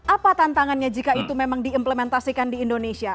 apa tantangannya jika itu memang diimplementasikan di indonesia